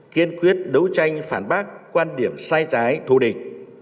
kiên quyết đấu tranh phản bác quan điểm sai trái thù địch